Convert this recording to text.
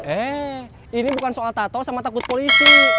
eh ini bukan soal tato sama takut polisi